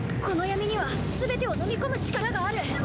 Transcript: この闇にはすべてをのみ込む力がある！